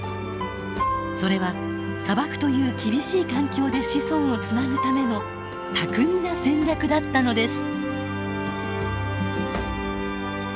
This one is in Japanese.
それは砂漠という厳しい環境で子孫をつなぐための巧みな戦略だったのです。